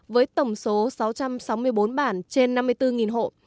với tổng số sáu trăm sáu mươi bốn bản trên năm mươi bốn hộ